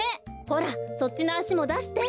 ほらそっちのあしもだして。